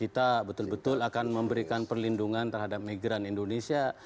kita betul betul akan memberikan perlindungan terhadap migran indonesia